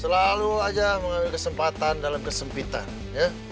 selalu aja mengambil kesempatan dalam kesempitan ya